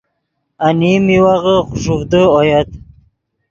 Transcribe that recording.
انیم میوغے خوݰوڤدے اویت۔